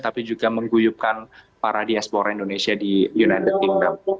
tapi juga mengguyupkan para diaspora indonesia di united kingdom